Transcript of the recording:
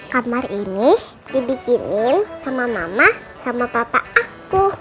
kamar ini dibikinin sama mama sama papa aku